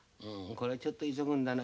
これがちょっと急ぐんだな。